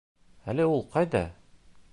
Әле ул ҡайҙа?